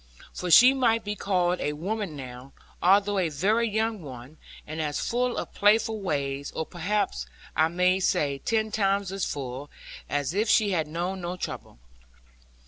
For she might be called a woman now; although a very young one, and as full of playful ways, or perhaps I may say ten times as full, as if she had known no trouble.